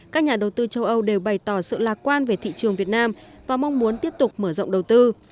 các nhà đầu tư châu âu đều bày tỏ sự lạc quan về thị trường việt nam và mong muốn tiếp tục mở rộng đầu tư